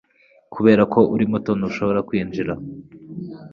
Kubera ko uri muto, ntushobora kwinjira.